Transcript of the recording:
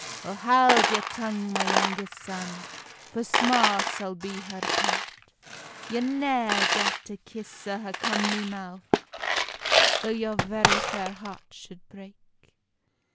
"O haud your tongue, my youngest son, For sma sall be her part; You'll neer get a kiss o her comely mouth Tho your very fair heart should break."